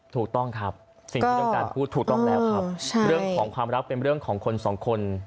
ถูกต้องครับสิ่งที่ต้องการพูดถูกต้องแล้วครับเรื่องของความรักเป็นเรื่องของคนสองคน